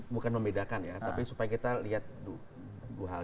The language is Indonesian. bukan membedakan ya tapi supaya kita lihat dua hal